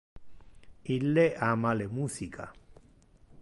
Ille ama le musica.